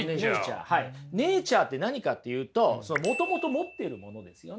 ネイチャーって何かっていうともともと持っているものですよね。